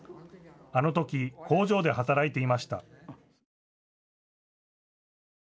あのとき、工場で働いていました。